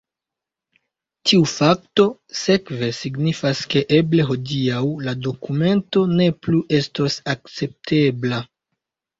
Tiu fakto sekve signifas ke eble hodiaŭ la dokumento ne plu estos akceptebla.